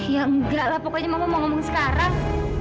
ya enggak lah pokoknya mama mau ngomong sekarang